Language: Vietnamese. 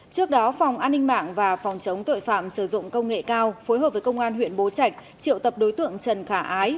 trước đó phòng an ninh mạng và phòng chống tội phạm sử dụng công nghệ cao phối hợp với công an huyện bố trạch triệu tập đối tượng trần khả ái